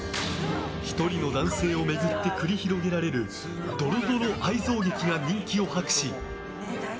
１人の男性を巡って繰り広げられるドロドロ愛憎劇が人気を博し。